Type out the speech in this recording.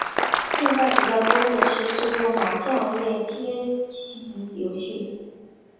现在比较多的是制作麻将类街机游戏。